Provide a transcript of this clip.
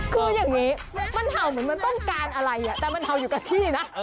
คืออย่างนี้มันเห่าเหมือนมันต้องการอะไรแต่มันเห่าอยู่กับที่นะ